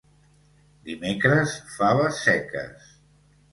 Dimecres, faves seques.